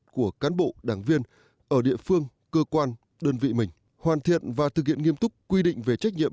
của cán bộ đảng viên ở địa phương cơ quan đơn vị mình hoàn thiện và thực hiện nghiêm túc quy định về trách nhiệm